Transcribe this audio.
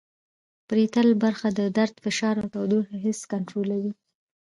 پریټل برخه د درد فشار او تودوخې حس کنترولوي